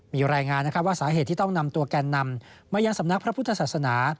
มีรายงานว่าสาเหตุที่ต้องนำตัวแกนนำมายังสำนักพระพุทธศาสนา